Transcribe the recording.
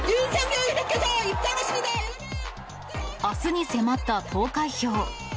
あすに迫った投開票。